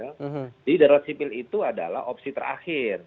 jadi darurat sipil itu adalah opsi terakhir